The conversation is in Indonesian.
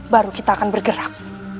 baru kita akan bergerak